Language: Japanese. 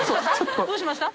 どうしました？